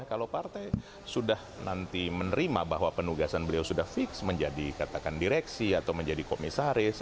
kalau partai sudah nanti menerima bahwa penugasan beliau sudah fix menjadi katakan direksi atau menjadi komisaris